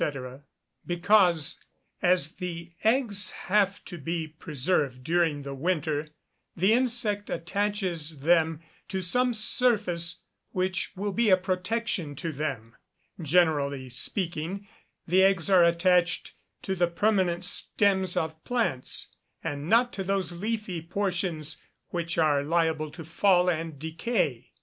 _ Because, as the eggs have to be preserved during the winter, the insect attaches them to some surface which will be a protection to them. Generally speaking, the eggs are attached to the permanent stems of plants, and not to those leafy portions which are liable to fall and decay.